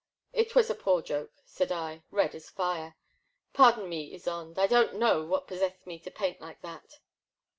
It was a poor joke/* said I, red as fire, par don me, Ysonde, I don't know what possessed me to paint like that.